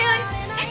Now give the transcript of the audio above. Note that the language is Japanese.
えっ！？